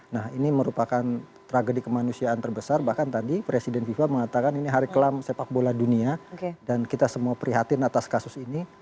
nah ini merupakan tragedi kemanusiaan terbesar bahkan tadi presiden fifa mengatakan ini hari kelam sepak bola dunia dan kita semua prihatin atas kasus ini